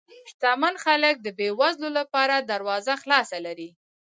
شتمن خلک د بې وزلو لپاره دروازه خلاصه لري.